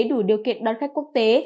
đủ điều kiện đón khách quốc tế